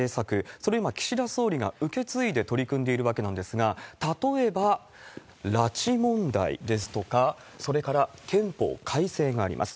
それを今、岸田総理が受け継いで取り組んでいるわけなんですが、例えば拉致問題ですとか、それから憲法改正があります。